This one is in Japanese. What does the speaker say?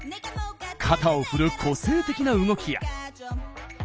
肩を振る個性的な動きや。